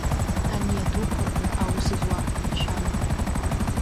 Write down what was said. Ани адуқәа рҟны аус зуа, мшәан…